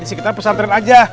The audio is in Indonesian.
di sekitar pesantren aja